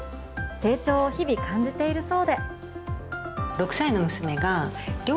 成長を日々感じているそうで。